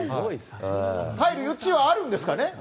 入る余地はあるんですかね。